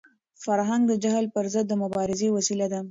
فرهنګ د جهل پر ضد د مبارزې وسیله ده.